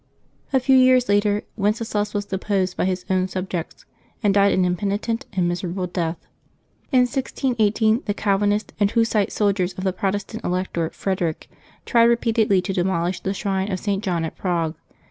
A few years later, Wenceslas was deposed by his own sub jects, and died an impenitent and miserable death. In 1618 the Calvinist and Hussite soldiers of the Protestant Elector Frederick tried repeatedly to demolish the shrine of St. John at Prague.